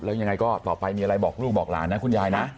แล้วยังไงก็ต่อไปมีอะไรบอกลูกบอกหลานนะคุณยายนะ